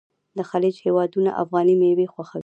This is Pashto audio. د خلیج هیوادونه افغاني میوې خوښوي.